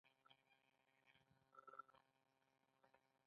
هغه دې کار ته وخت ورکړ.